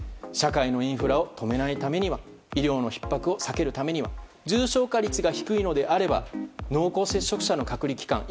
社会のインフラを止めないためには医療のひっ迫を避けるためには重症化率が低いのであれば濃厚接触者の隔離期間